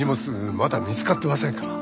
まだ見つかってませんから。